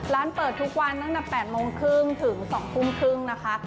ร้านเปิดทุกวันตั้งแต่๘โมงครึ่งถึง๒ทุ่มครึ่งนะคะ